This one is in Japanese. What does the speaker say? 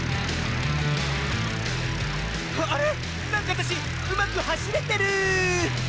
あれ⁉なんかわたしうまくはしれてる！